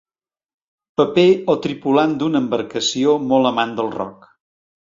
Paper o tripulant d'una embarcació molt amant del rock.